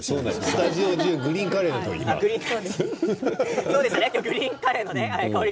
スタジオ中グリーンカレーのにおいしか。